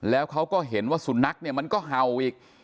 แล้วเขาก็เห็นว่าสุนัขเนี่ยมันก็เห่าอีก